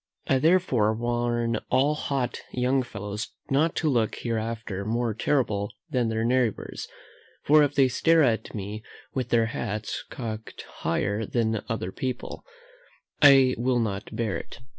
I therefore, warn all hot young fellows not to look hereafter more terrible than their neighbours: for, if they stare at me with their hats cocked higher than other people, I will not bear it.